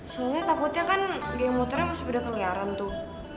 soalnya takutnya kan geng moternya masih beda keliaran tuh